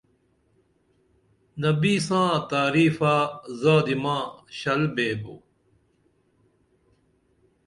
نبی ساں تعریفہ زادی ما شل بیبو